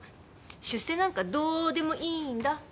出世なんかどうでもいいんだ。